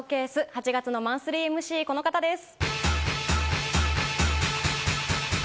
８月のマンスリーＭＣはこの方です。